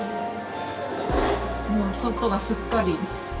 もう外がすっかり。